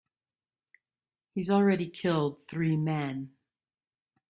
He's already killed three men.